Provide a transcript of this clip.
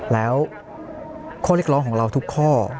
แล้วข้อเรียกร้องของเราทุกข้อ